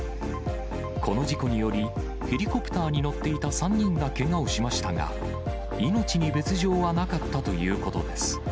この事故により、ヘリコプターに乗っていた３人がけがをしましたが、命に別状はなかったということです。